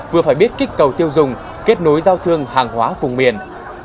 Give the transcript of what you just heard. vừa phải biết kích cầu tiêu dùng kết nối giao thương hàng hóa vùng miền